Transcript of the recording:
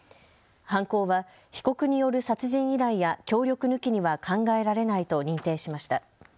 犯行は被告による殺人依頼や協力抜きには考えられないと認定しました。